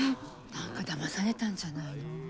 なんかだまされたんじゃないの？